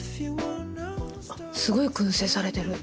すごい薫製されてる。